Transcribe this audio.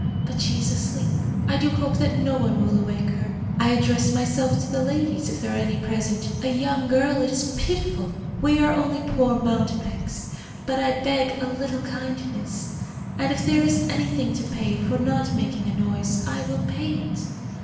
But she is asleep. I do hope that no one will awake her. I address myself to the ladies, if there are any present. A young girl, it is pitiful! We are only poor mountebanks, but I beg a little kindness, and if there is anything to pay for not making a noise, I will pay it.